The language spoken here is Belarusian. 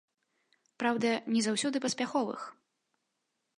Праўда, не заўсёды паспяховых.